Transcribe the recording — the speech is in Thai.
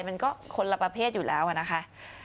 มันก็คนละประเภทอยู่แล้วนะคะ